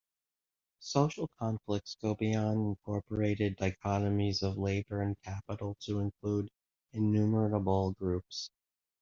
Social conflicts go beyond incorporated dichotomies of labor and capital to include innumerable groups.